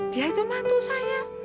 dia itu mantu saya